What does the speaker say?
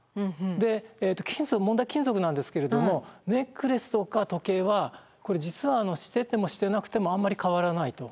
で問題は金属なんですけれどもネックレスとか時計はこれ実はしててもしてなくてもあんまり変わらないと。